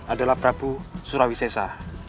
adalah prabu surawisesa